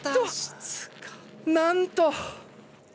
何と！